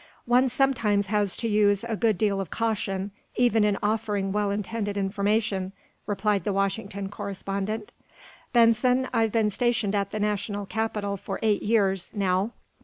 "One sometimes has to use a good deal of caution, even in offering well intended information," replied the Washington correspondent, "Benson, I've been stationed at the national capital for eight years, now.